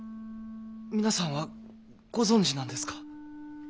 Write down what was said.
皆さんはご存じなんですか？